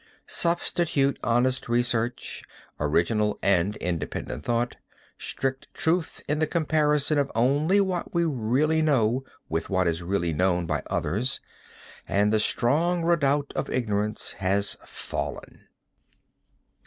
Substitute honest research, original and independent thought, strict truth in the comparison of only what we really know with what is really known by others, and the strong redoubt of ignorance has fallen."